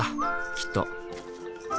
きっと。